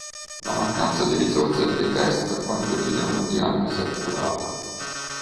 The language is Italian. La mancanza di risorse per i test può impedire una diagnosi accurata.